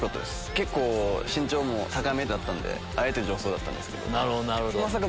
結構身長も高めだったんであえて女装だったんですけど。